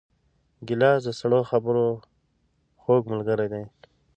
ګیلاس د سړو خبرو خوږ ملګری دی.